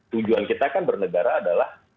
tujuan kita kan bernegara adalah